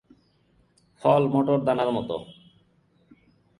ফল মটর দানার মতো।